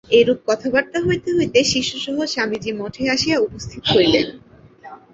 এইরূপ কথাবার্তা হইতে হইতে শিষ্যসহ স্বামীজী মঠে আসিয়া উপস্থিত হইলেন।